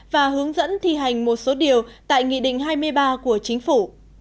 và hướng dẫn thi hành một số điều tại nghị định hai mươi ba của chính phủ